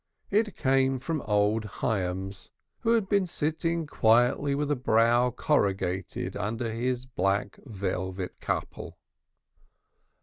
It same from old Hyams, who had been sitting quietly with brow corrugated under his black velvet koppel.